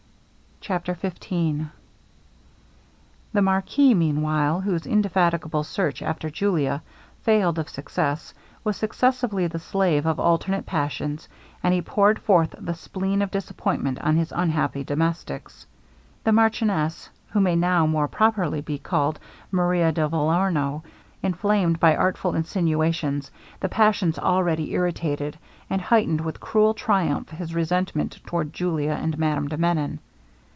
CHAPTER XV The marquis, meanwhile, whose indefatigable search after Julia failed of success, was successively the slave of alternate passions, and he poured forth the spleen of disappointment on his unhappy domestics. The marchioness, who may now more properly be called Maria de Vellorno, inflamed, by artful insinuations, the passions already irritated, and heightened with cruel triumph his resentment towards Julia and Madame de Menon.